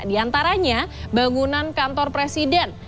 di antaranya bangunan kantor presiden